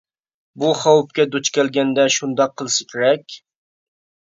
ئۇ خەۋپكە دۇچ كەلگەندە شۇنداق قىلسا كېرەك.